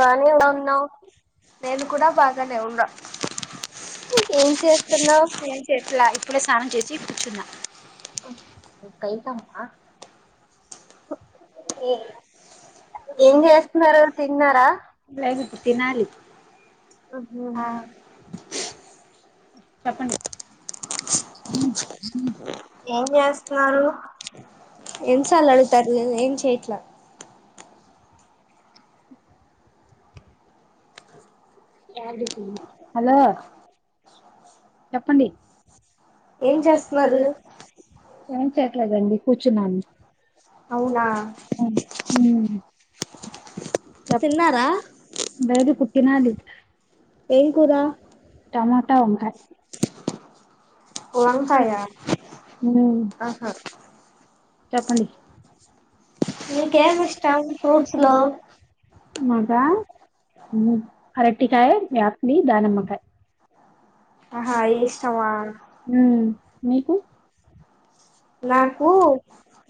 వాణి ఎలా ఉన్నావు. ఏం చేస్తున్నావ్. [unintelligible] ఏం చేస్తున్నారు. తిన్నారా. లేదు ఇపుడు తినాలి. ఉ హు చెప్పండి ఏం చేస్తున్నారు. ఎన్ని సార్లు అడుగుతారు. నేన్ ఏం చేయట్లా. హలో చెప్పండి ఏం చేస్తున్నారు ఏం చేయట్లేదండి కూర్చున్నాను. [inaudible] లేదిప్పుడు తినాలి ఏం కూర టమాటా వంకాయ్ వంకాయనా ఉమ్ చెప్పండి మీకేం ఇష్టం ఫ్రూట్స్ లో మాగా [unintelligible] అరటికాయ, యాపిల్, దానిమ్మ అ అయ్యే ఇష్టమా ఉమ్ మీకు నాకు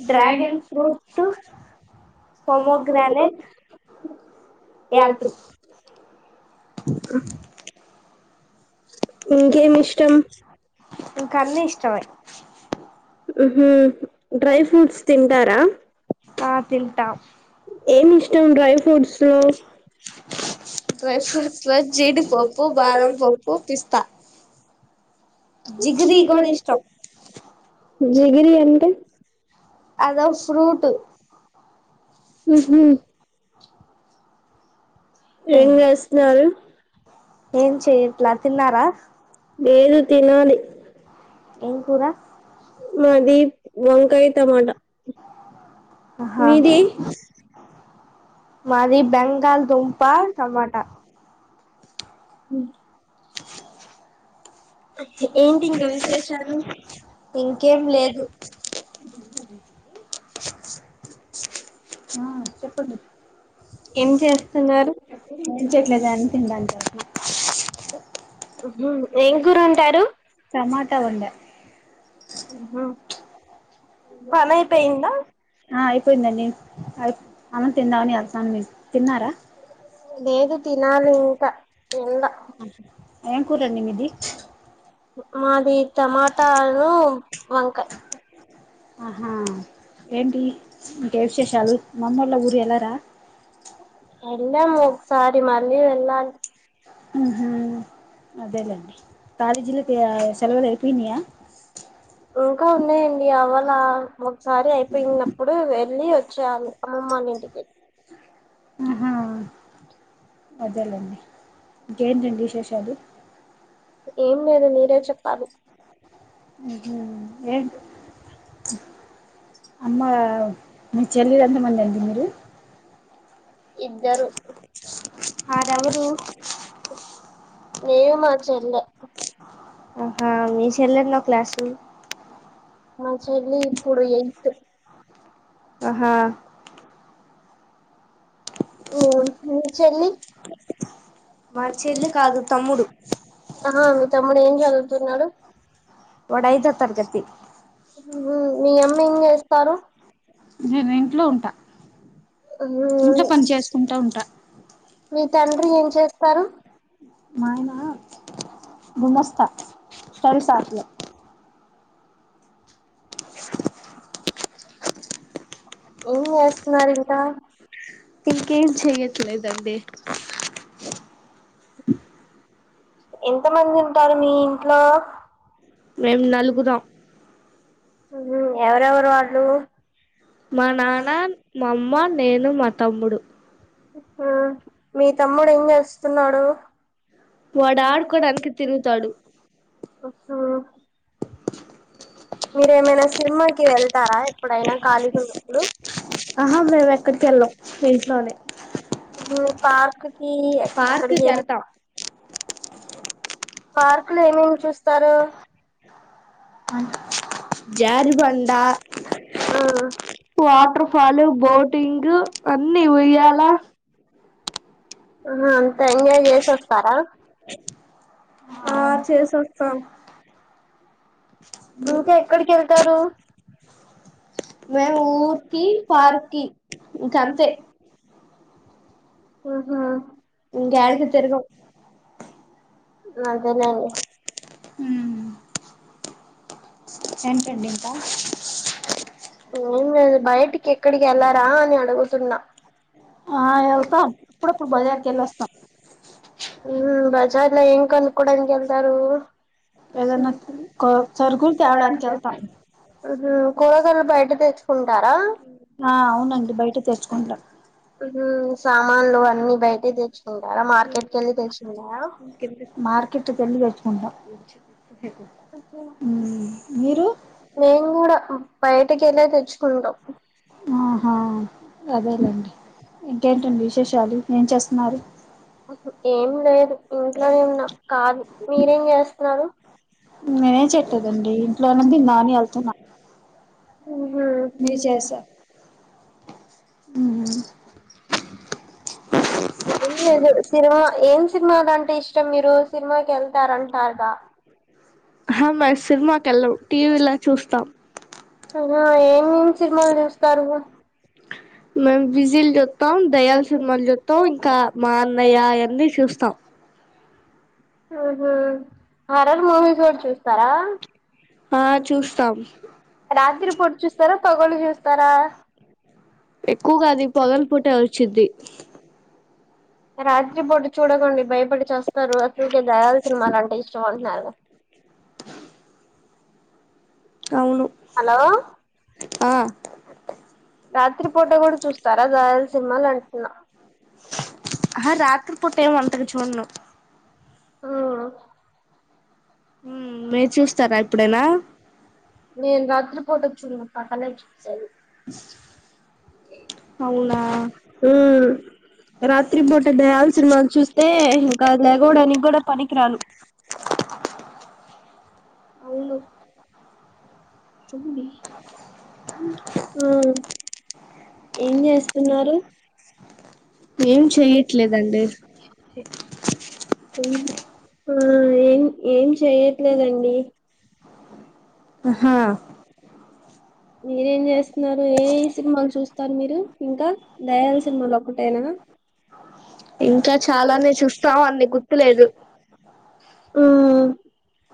డ్రాగన్ ఫ్రూట్స్, ప్రోమోగ్రానేట్ [inaudible] ఇంకేమి ఇష్టం, అన్ని ఇష్టమే ఉహు ఆ తింట డ్రై ఫ్రూట్స్ లో జీడిపప్పు, బాదంపప్పు, పిస్తా. జిగిరి అంటే, అదో ఫ్రూటు ఉహు ఏం చేస్తున్నారు, ఏం చెయ్యట్ల. [inaudible] లేదు తినాలి మాది వంకాయ టమాటా ఆహా మాది బెంగాల్ దుంప టమాట. ఉమ్ ఏంటింకా విశేషాలు ఇంకేం లేదు ఆ చెప్పండి ఏం చేయట్లేదు అని తినడానికి ఎళ్తన్న అ ఏం కూర ఉంటారు టమాటా వండా ఆహ ఆ అయిపోయిందండి అయి అన్నం తిందామని వెళ్తన్నాన్నేను తిన్నారా లేదు తినాలి ఇంకా ఏం కూరండి మీది మాది టమాటాను వంకాయ్ ఆహా ఏంటి ఇంక విశేషాలు మా అమ్మోళ్ళ ఊరు వెళ్ళరా మళ్ళీ ఎళ్ళాలి ఊహూ అదేలేండి. కాలేజీలకి ఆ సెలవులు ఐపోయిన్నియా ఇలా ఒకసారి అయిపోయినప్పుడు వెళ్ళి వచ్చేయాలి అమ్మమ్మాళ్ళింటికి అదే లెండి ఇంకేంటండి విశేషాలు మీరు మీరే చెప్పాలి ఊహూ ఏ అమ్మ మీ చెల్లెలు ఎంతమంది అండి మీరు ఇద్దరు అదెవరు నేను మాచెల్లె ఆ మీ చెల్లి ఎన్నో క్లాసు మా చెల్లి ఇప్పుడు ఎయిత్ ఆహా హ్మ్ మీ చెల్లి ఆ తమ్ముడు ఏం చదువుతున్నాడు. వాడు ఐదో తరగతి మీయమ్మ ఏం చేస్తారు నేను ఇంట్లో ఉంటా ఇంట్లో పని చేసుకుంటా ఉంటా మీ తండ్రి ఏం చేస్తారు. గుమాస్తా సరిసాట్లు ఉం వస్తున్నారు ఇంక [unintelligible] ఎంత మంది ఉంటారు మీ ఇంట్లో మేం నలుగురం ఉ ఎవరెవరు వాళ్ళు మా నాన్న, మా అమ్మ, నేను, మా తమ్ముడు. హు మీ తమ్ముడు ఏం చేస్తున్నాడు. వాడు ఆడుకొని తిరుగుతాడు హు హు మీరేమైనా సినిమాకి వెళ్త ఆరా ఎప్పుడైనా ఖాళి ఉన్నప్పుడు ఆ హ ఎక్కడికి వెళ్ళం ఇంట్లో హు పార్క్ ఈ ఎక్కడి పార్క్ లో ఏమేమి చూస్తారు. జారిబండ, వాటర్ ఫాల్, బోటింగ్, అన్ని ఉయ్యాల ఆ అంత ఎంజాయ్ చేసాస్తారా హ చేసాస్తాము. ఇంకా ఎక్కడికి వెళ్తారు. మేము ఊరికి, పార్కుకి ఇంకంతే ఆహా ఇంకా యాడికి తిరగం అదలే ఊ ఎంతండి ఇంత అ బయోటిక్ ఎక్కడికి వెళ్ళారా అని అడుగుతున్నా ఆ వెళ్తాం అప్పుడప్పుడు బజార్కి వెళ్ళొస్తాం. ఉబజార్లో ఏం కొనుక్కోవడానికి వెళ్తారు. ఎమన్నా సరుకులు తేవడానికి వెళతాం. హు హు కూరగాయలు బయట తెచ్చుకుంటారా ఆ అవును అండి బయట తెచ్చుకుంటాము హు హు సామాన్లు అన్ని బయట తెచ్చ ఉంటారా మార్కెట్ మార్కెట్ కి వెళ్ళి తెచ్చుకుంటాం. [unintelligible] మేం గూడా బయటకి వెళ్లే తెచ్చుకుంటాం ఆహా అదేలేండి ఇంకేంటండి విశేషాలు ఏం చేస్తున్నారు. లేదు ఇంట్లోనే వున్నా కాదు మీరేం చేస్తున్నారు. [unintelligible] ఏం లేదు సినిమా ఏం సినిమాలంటే ఇష్టం మీరు సినిమాకి వెళ్తారంటారుగా. అ మే సినిమాకి వెళ్లం టీవీలా చూస్తాం హ ఏ ఏం సినిమాలు చూస్తారు మేము బిజిలు చూస్తం దయ్యలా సినిమాలు చూస్తాం ఇంకా మా అన్నయ్య అన్నీ చూస్తాం ఆహ హరర్ మూవీ కూడా చూస్తారా. రాత్రి పూట చూస్తారా పగలు చూస్తారా ఎక్కువగా అది పగలు పూటే వచ్చిద్ది రాత్రిపూట చూడకండి భయపడి చేస్తారు అసలకే దయ్యాలా సినిమాలు అంటే ఇష్టం అంటున్నారు. హలో రాత్రిపూట కూడా చూస్తారా రాయల సినిమాలు అంటున్నా ను రాత్రి పూట చూడను పగలే చూస్ అ అవునా రాత్రి పూట అవును డి ఆ ఏం చేస్తున్నారు ఆ ఏం ఏం చెయ్యట్లేదండి హా మీరేం చేస్తున్నారు ఏ ఏ సినిమాలు చూస్తారు మీరు ఇంకా దయ్యాల సినిమాలు ఒక్కటేనా మ్మ్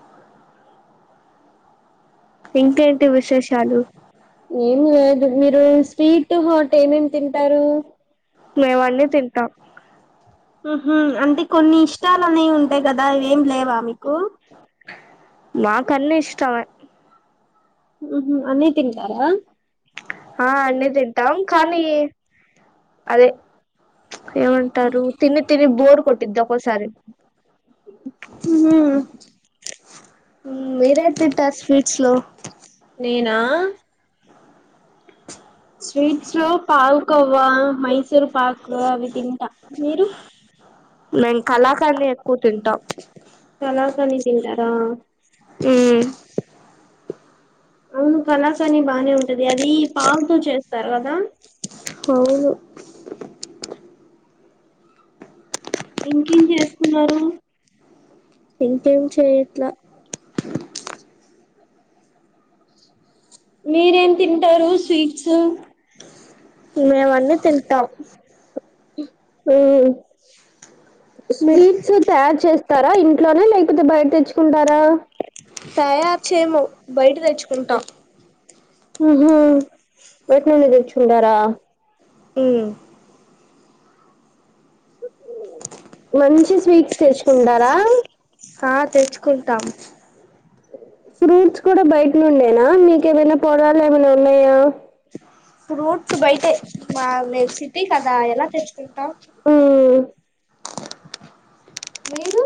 ఏం లేదు మీరు స్వీట్, హాట్ ఏమేం తింటారు? మ్మ్ హు అంటే కొన్ని ఇష్టాలు అనేవి ఉంటాయి కదా అవేం లేవా మీకు? మ్మ్ హు అన్ని తింటారా ‌మ్మ్ నేనా స్వీట్స్ లో పాల్కోవ్వ, మైసూరు పాకు అవి తింటా. మీరు? నేను కలాఖన్ని ఎక్కువ తింటా అవును కలాఖాని బానే ఉంటది అది పావుతో చేస్తారు కదా? ఇంకేం చేస్తున్నారు? ఇంకేం చేయట్లా. మీరేం తింటారు స్వీట్సు? మ్మ్ స్వీట్స్ తయారు చేస్తారా ఇంట్లోనే లేకపోతే బయట తెచ్చుకుంటారా? మ్మ్ హు బయట నుండే తెచ్చుకుంటారా! మ్మ్ ఆ తెచ్చుకుంటాం. ఫ్రూట్స్ కూడా బై టుండేనా మీక ఏమన్న పొలాలు ఏమన్నా ఉన్నాయా? ఫ్రూట్స్ బయటే బా మేము సిటీ కదా ఎలా తెచ్చుకుంటాం. మీరు?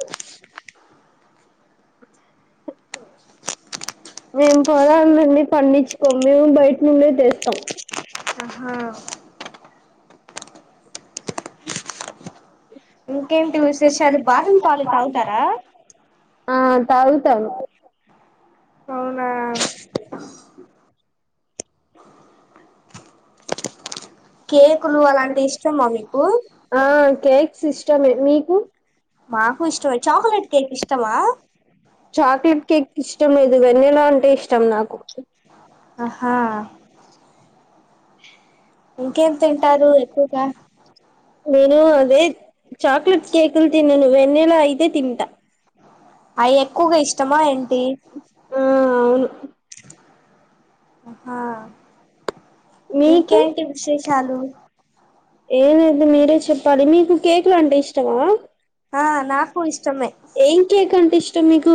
మేం పొలాల నుండి పండించుకోము, మేము బయటి నుండే తెస్తాం. తాగుతం ఆ కేక్స్ ఇష్టమే, మీకు? చాక్లెట్ కేక్ ఇష్టం లేదు వెనీలా అంటే ఇష్టం నాకు. నేను అది చాక్లెట్ కేకులు తినను, వెనీలా అయితే తింటా. ఆ అవును. అహా మీకు ఏ లేదు మీరే చెప్పాలి మీకు కేక్ లు అంటే ఇష్టమా ఏం కేక్ అంటే ఇష్టం మీకు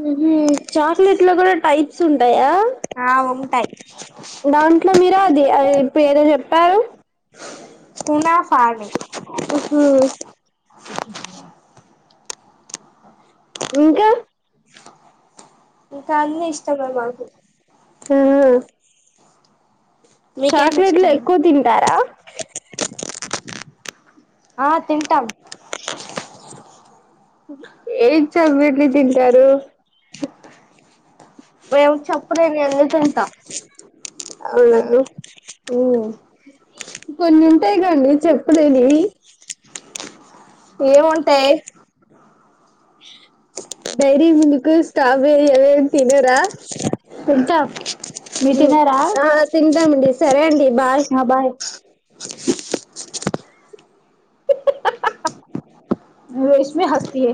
ఊహ్మ్ చాక్లెట్ లో కూడ టైప్ ఉంటాయా దాంట్లో మీరు అది ఇప్పుడు ఏదో చెప్పారు కునాఫని హు హు ఇ ఇంకా మ్ చాక్లెట్లు ఎక్కువ తింటారా ఆ తింటాం ఏం చబ్బిడ్లి తింటారు మేము చెప్పలేము అన్నీ తింటాం ఏముంటాయి డైరీ మిల్క్ స్ట్రాబెరీ అవేం తినరా ఉ హేష్మి హస్థి ఏ